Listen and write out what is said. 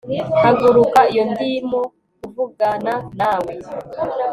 Haguruka iyo ndimo kuvugana nawe